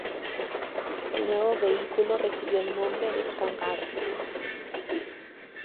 El nuevo vehículo recibió el nombre de "Kangaroo".